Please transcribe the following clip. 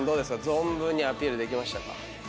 存分にアピールできましたか？